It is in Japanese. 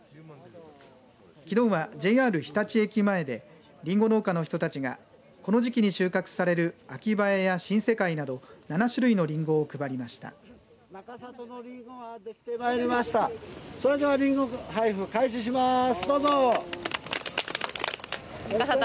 きのうは、ＪＲ日立駅前でりんご農家の人たちがこの時期に収穫される秋映や新世界など７種類のりんごを配りました。